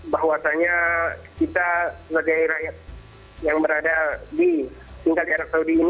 bahwasannya kita sebagai rakyat yang berada di tinggal di arab saudi ini